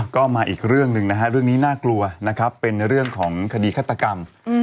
ก็มาอีกเรื่องหนึ่งนะฮะเรื่องนี้น่ากลัวนะครับเป็นเรื่องของคดีฆาตกรรม